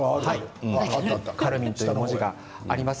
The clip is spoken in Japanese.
カルミンという文字があります。